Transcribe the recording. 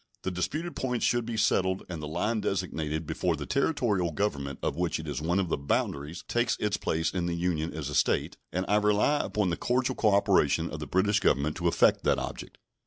The disputed points should be settled and the line designated before the Territorial government of which it is one of the boundaries takes its place in the Union as a State, and I rely upon the cordial cooperation of the British Government to effect that object.